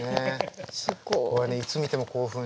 これねいつ見ても興奮しちゃうの。